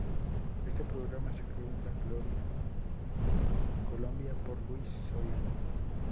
Este programa se creó en La Gloria, Colombia por Luis Soriano.